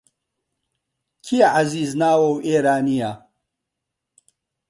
کێ عەزیز ناوە و ئێرانییە؟